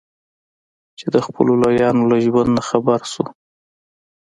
چې د خپلو لویانو له ژوند نه خبر شو.